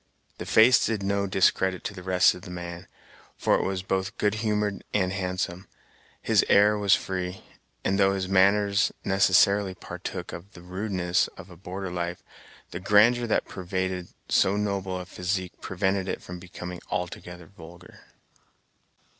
The face did no discredit to the rest of the man, for it was both good humored and handsome. His air was free, and though his manner necessarily partook of the rudeness of a border life, the grandeur that pervaded so noble a physique prevented it from becoming altogether vulgar.